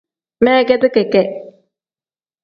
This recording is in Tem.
Meegeti keke.